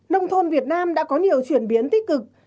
nông thôn việt nam đã có nhiều chuyển biến tích cực